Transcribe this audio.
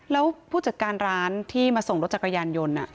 แล้วผู้จัดการร้านที่มาส่งรถจักรยานยนต์